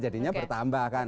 jadinya bertambah kan